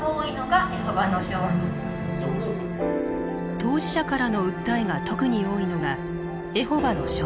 当事者からの訴えが特に多いのがエホバの証人。